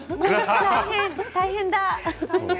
大変だ。